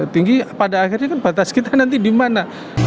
tinggi pada akhirnya kan batas kita nanti dimana